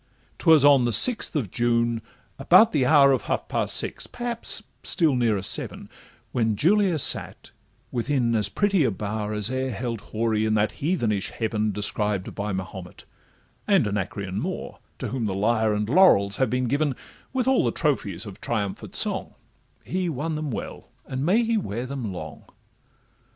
'Twas on the sixth of June, about the hour Of half past six—perhaps still nearer seven— When Julia sate within as pretty a bower As e'er held houri in that heathenish heaven Described by Mahomet, and Anacreon Moore, To whom the lyre and laurels have been given, With all the trophies of triumphant song— He won them well, and may he wear them long!